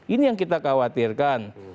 ini yang kita khawatirkan